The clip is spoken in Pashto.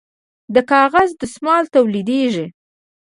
د کاغذ دستمال تولیدیږي